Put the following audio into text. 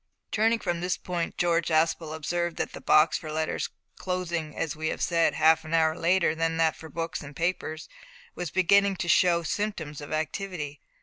Turning from this point George Aspel observed that the box for letters closing, as we have said, half an hour later than that for books and papers was beginning to show symptoms of activity.